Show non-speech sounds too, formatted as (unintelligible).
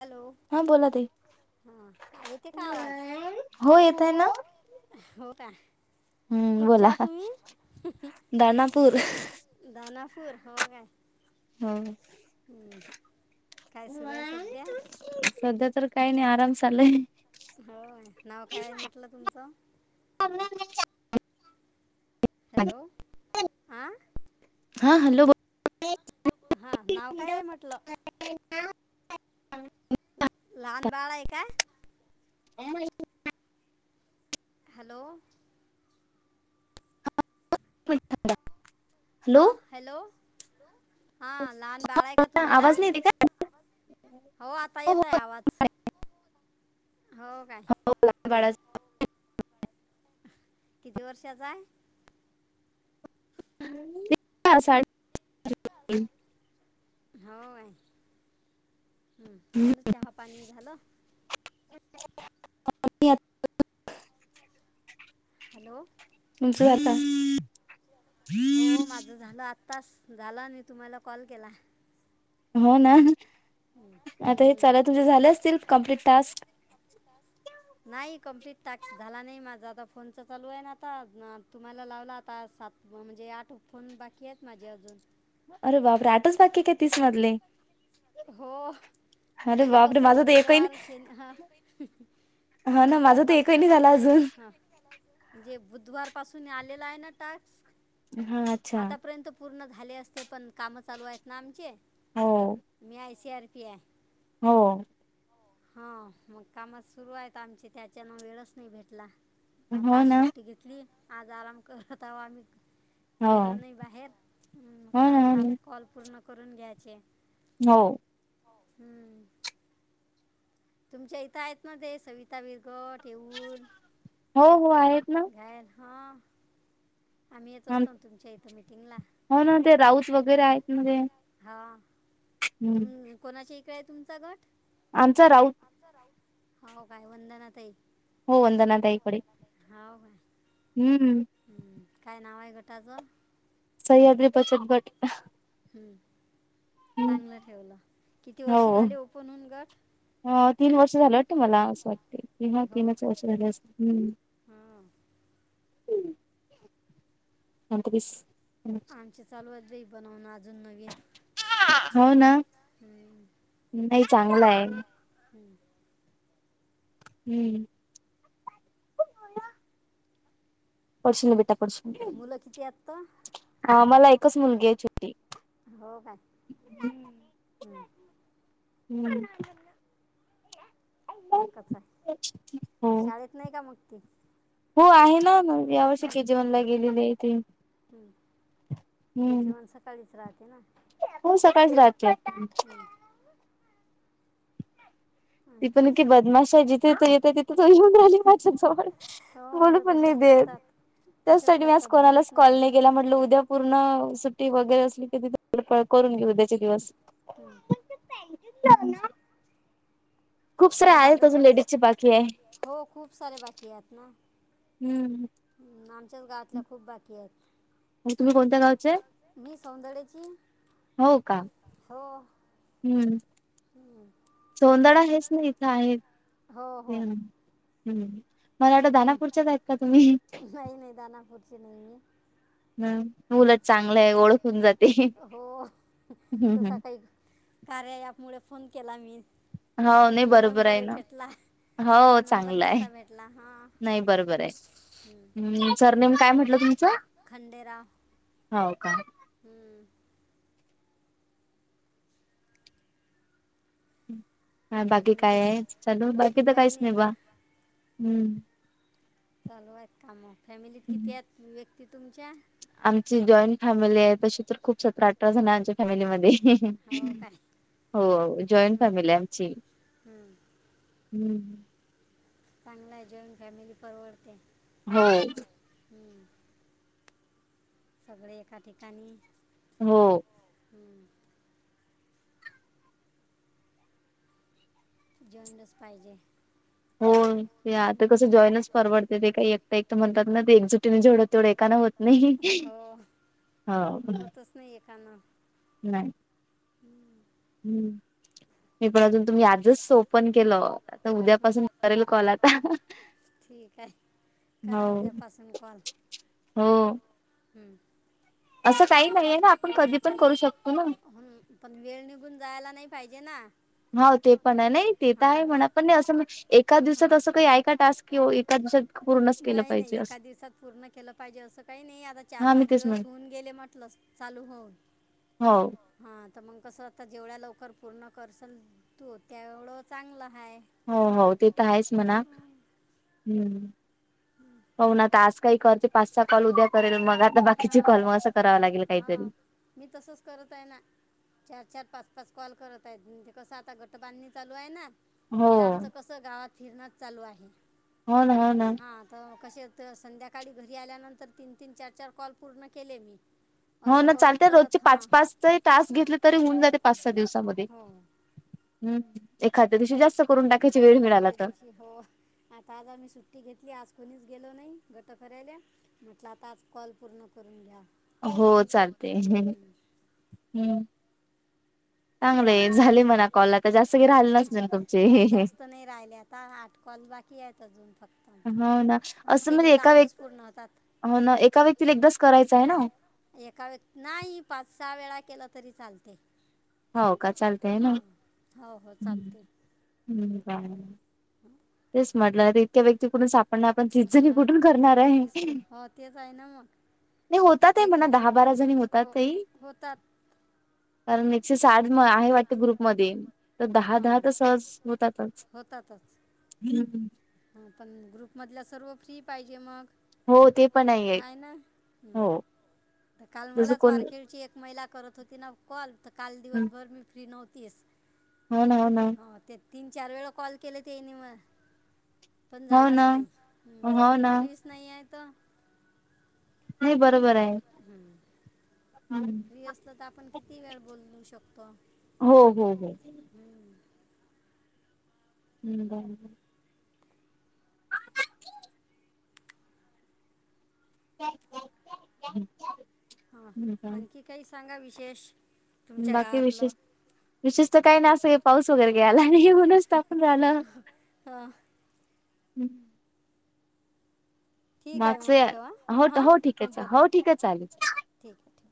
Hello हा बोला ताई हा येते का आवाज हो येत आहे ना हो का हम्म कुठच्या बोला आहात तुम्ही दानापूर दानापूर हो का हाव काय सुरू आहे सध्या (unintelligible) सध्या तर काही नाही आराम चाललाय होय नाव काय आहे म्हटलं तुमचं हॅलो आ हा हॅलो बोल हा नाव काय ए म्हटलं (inaudible) लाहान बाळा आय काय ह (inaudible) हॅलो हा ंड (unintelligible) हा हॅलो हा लहान बाळ आहे का तुम्हाला आवाज नाही येते का? हो आता येतय आवाज हो काय हम् बाळा किती वर्षाचा आय ते सात हो हम्म झालं चहा पाणी झालं (inaudible) (unintelligible) हॅलो तुमच झाल हो माझं झालं आत्ताास झालं आनी तुम्हाला कॉल केला हो ना आता हे हं. चाला तुझे झाले असतील कम्प्लीट टास्क नाही कंम्प्लीट टाक्स झाला नाही माझा आता फोनच चालू आहे ना आता तुम्हाला लावला आता सात म्हणजे आठ फोन बाकी आहेत माझे अजून अरे बापरे आटच बाकी काय तीस मधले हो अरे म्हजे बापरे कस माझा तर एकही शुक्रवार शेनी हा हां हं हा ना गुरुवार माझा तर एकही पासून नाही झाला मला ए अजून हा म्हणजे बुधवार पासून आलेला आहे ना टास्क. हा अच्छा. आतापर्यंत पूर्ण झाले असते पण कामं चालू आहेत ना आमचे. हो. कायसर पिया. हो. हा मग कामात सुरू आहेत आमचे त्याच्यान वेळच नाही भेटला. आता हो आज ना सुट्टी घेतली आज आराम करत आव आम्ही. हो गेलो नाही बाहेर हो म्हटलं ना हो आता ना आज कॉल पूर्ण करून घ्यायचे. हो. हम्म. तुमच्या इथं आहेत ना ते सविता बिरकोट. हो हो आहेत ना. घायल हां. आम्ही येत असतो ना तुमच्या इथ मिटिंगला हो ना ते राऊत वगैरे आहेत ना ते हा. हम्म तुम कोणाच्या इकडे आहे तुमचा गट. आमचा राऊत. हो काय वंदना ताई आहे. हो वंदणा तई कडे काय हम्म. हम्म काय नाव आहे गटाचं. सह्याद्री बचत गट‌. हम्म. चांगलं ठेवलं किती हो वर्ष झाले ओपनहून गट. अ तीन वर्ष झालं वाटत मला असं वाटते कि हा हो तीनच काय वर्ष झाले अस हम्. हां शांत बैस. आमची चालू आहेत ब बनवूनज. हो ना हम्म, नाही चांगलं आहे. हम्म. हम्म. पडशील ना बेटा. मुलं किती आहेत तर अ मला एकच मुलगी आहे छोटी. हम्म. हम्म. एकच हो आहे शाळेत नाही का मग ती. हो आहे ना या वर्षी हम्म, के जी वनला गेलेले आहे ती. हम्म. के हम्म जीवान सकाळीच राहत. हो सकाळीच राहते. हं, ती आणखीन पण की बदमाशा जिथेथ येत तिथे त येऊन राहिली माझ्या जवळ हो बोलू मुलं पण नाही. तसेच देत करतात. तसेच त्याचसाठी मी आज करतात बोलूच कोणालाच नाही देत कॉलने केला म्हंटलं उद्या पूर्ण सुट्टी वगैरे असली क ति. उद्याचे दिवस. हं. खूप सारे आता आहेत अजून माझतच लेडीजची बाकी आहे हो खूप सारे बाकी आहेत ना. हम्म. त्याच्या गावातल्या खूप बाकी आहेत. तुम्ही कोणत्या गावचे? मी सौंदर्याची हो का? हो हम्म. हं, सोंदळा हेच ना इथं आहेत. हो हो. हम्म मला वाट हं, तुम दानापुरच्यात आहेत का तुम्ही. (unintelligible) हा (unintelligible) उलट चांगलं आहे ओळखून जाते हो तसा हो काही. कार्या यामुळे फोन केला मी होय नाही बरोबर आहे नंबरही ना. भेटला तसा हो नंबर चांगलं आहे नसता भेटला हां नाही बरोबर आहे हं. हम्म सरनेेम काय म्हंटलं तुमचं? हो का? हम्म ह बाकी आणखीन काय आहे काही चालू बाकी तर काही काहीच नाही आता बा हम्म चालू एक काम फॅमिलीत किती आहेत व्यक्ती तुमच्या? आमची जॉईंट फॅमिली आहे तशी तर खूप सतरा अठरा जण आमच्या फॅमिलीमध्ये हो काय (unintelligible) हो जॉईंट हं, फॅमिली आमची हं. हम् चांगला आहे जॉईंट फॅमिली परवडते. हो.. (inaudible) हं. सगळे एका ठिकाणी हो.. हम् जॉईंनच पाहिजे हो ते आता हं. कसं जॉईनच परवडते ते काही एकट एक म्हणतात ना ते एकजुटीने जेवडं तेवढं एका ना होत नाही हो हो होतच नाही एखाणं नाही हम्म मी पण अजून तुम्ही आजच ओपन केलं आता हम्म. उद्यापासून करेल कॉल आता ठीक आहे हो करा उद्यापासून कॉल हो हम्म असं काही नाहीये ना आपण कधी पण करू शकतो ना पण वेळ निघून जायला नाही पाहिजे ना हो ते पण आहे नाही ते तर हां आहे म्हणा मग पण नाही असं एका हां दिवसात असं काही ऐका टास्कि एका दिवसात पूर्णच केलं नाही नाही पाहिजे एका असं दिवसात पूर्ण केलं पाहिजे असं काही नाही आता चार हा मी पाच तेच म्हण दिवस होऊन गेले म्हटलस चालू होऊन हो ह अता मग कसं आता जेवढ्या लवकर पूर्ण करसल तू त्यावढं चांगला हो हो ते तर आहेच म्हणा हम्म (inaudible) होऊ ना आता आज काही करते पाच स कॉल उद्या करेल मग आता बाकीचे हां कॉल मग असं करावा लागेल काहीतरी हां मी तसच करत आहे ना चार चार पाच - कॉल करत आहेत ना म्हणजे कस आता गट बांधणी चालू आहे ना हो तर आमचं कसं गावात फिरणच चालू आहे हो ना हो ना हां त कसे तर संध्याकाळी घरी आल्यानंतर तीन तीन चार चार कॉल पूर्ण केले मी हो असं ना करत चालते रोजचे करत हां पाच पाचही टास्क घेतले तरी होऊन जाते पाच सहा दिवसामध्ये हम्म (inaudible) एखाद्या दिवशी जास्त करून टाकायची वेळ म्हणजे मिळाला खंडे तर दिवशी हो आता आज आमी सुट्टी घेतली आज कोणीच गेलो नाही गट फरायला म्हटलं आता आज कॉल पूर्ण करून घ्या हो चालते हम् हम्म. हम्म चांगलंय झाले मना नाही जास्त नाही राहिले आता आठ कॉल बाकी आहेत अजून फक्त हो ना हां असं केले म्हणजे तर एका आजच पूर्ण होतात व्यक्ती हो ना एका व्यक्तीला हां एकदाच करायचं आहे ना एका व्यक्ती नाही पाच सहा वेळा केलं तरी चालते हो का चालतय ना हां हो हो, चालतयं. हा. तेच म्हटलं तर इतक्या व्यक्ती कठुन साप पण आपण तीसजणी हं, कुठून करणार आहे तीस कु- हो तेच आहे ना मग नाही होतात आहे एक म्हणा दहा बारा जणी हो होतातय होतात एकशे साठ आहे वाटते ग्रुपमध्ये तर दहा हो दहा तर सहज होतातच (unintelligible) हा पण ग्रुप मधल्या सर्व फ्री पाहिजे मग हो ते पण आहे हाय ना हो हम तर काल जसं मलाच कोण वारखेडची एक महिला करत होती ना कॉल तर काल दिवसभर मी फ्री नव्ह तीस हो ना हो ना तीन चार वेळा कॉल केले तेनी मग पण हो झालाच ना नाही म्हटलं हो मी ना फ्रीच नाही आहे त नाही बरोबर आहे हो फ्री असल तर आपण किती वेळ बोलू शकतो हो हो हम्म हम् (unintelligible) (unintelligible) हा, आणखी काही सांगा विशेष तुमच्या गावातलं? विशेषत तर काही नाही, असं पाऊस वगैरे काय आला नाही, म्हणूनचं तापून राहिलो. हा. हम, ठीक आहे मग मागचं ठेवा हो हां हो ठीके, हां बोल हो ठीक आहे चालेल. ठीक आहे ठेव